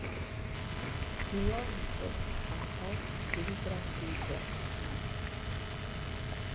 Tio necesis ankaŭ pligrandigo.